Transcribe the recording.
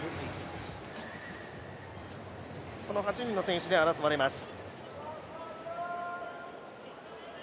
この８人の選手で争われます。